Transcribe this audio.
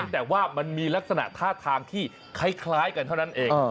แต่ว่ามันมีลักษณะท่าทางที่คล้ายกันเท่านั้นเอง